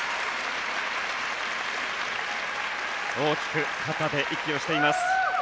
大きく肩で息をしています。